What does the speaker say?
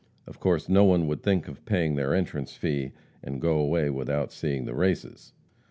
Of course no one would think of paying their entrance fee and go away without seeing the races.